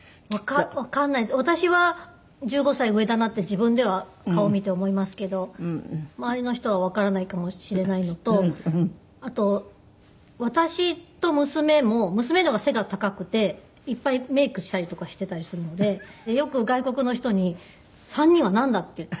自分では顔見て思いますけど周りの人はわからないかもしれないのとあと私と娘も娘の方が背が高くていっぱいメイクしたりとかしていたりするのでよく外国の人に３人はなんだ？っていう。